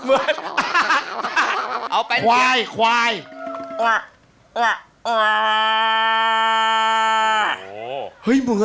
หมาถามวัวว่าวัวจะไปไหน